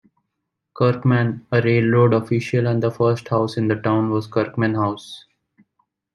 Kirkman, a railroad official, and the first house in the town was Kirkman House.